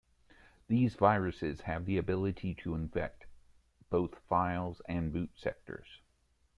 These viruses have the ability to infect both files and boot sectors.